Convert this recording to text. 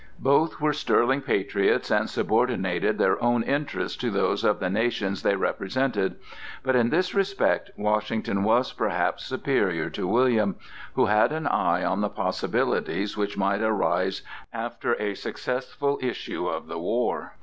Both were sterling patriots and subordinated their own interests to those of the nations they represented; but in this respect Washington was, perhaps, superior to William, who had an eye on the possibilities which might arise after a successful issue of the war.